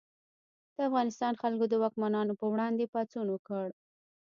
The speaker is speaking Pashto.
د افغانستان خلکو د واکمنانو پر وړاندې پاڅون وکړ.